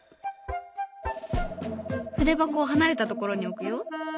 筆箱を離れたところに置くよ。